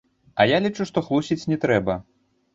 А я лічу, што хлусіць не трэба.